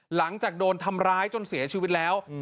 หลังจากโดนทำร้ายจนเสียชีวิตแล้ว